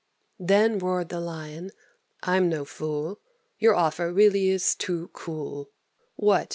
Then roared the Lion, "I'm no fool, Your offer really is too cool. What!